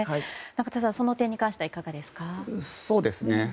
仲田さんは、その点に関してはいかがですか？